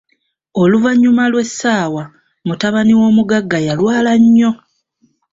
Oluvanyuma Iw'esaawa, mutabani w'omuggaga yalwala nnyo!